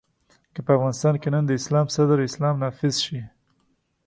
که په افغانستان کې نن د اسلام صدر اسلام نافذ شي.